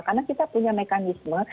karena kita punya mekanisme